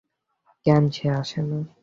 কেন সে আসে না?